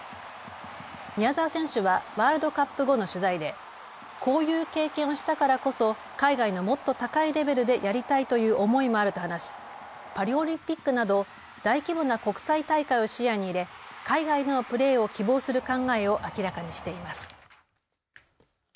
宮澤選手はワールドカップ後の取材でこういう経験をしたからこそ海外のもっと高いレベルでやりたいという思いもあると話しパリオリンピックなど大規模な国際大会を視野に入れ海外でのプレーを希望する考えを明らかにしています。